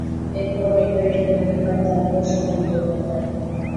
এরপর বেকারির মালিক আর তারপর সবজির দোকানদার।